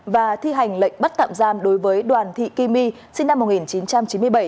và thi hành lệnh bắt tạm giam đối với đoàn thị kim my sinh năm một nghìn chín trăm chín mươi bảy